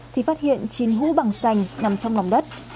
thì phát hiện chín hũ bằng xanh nằm trong ngòm đất